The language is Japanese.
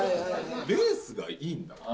レースがいいんだわ。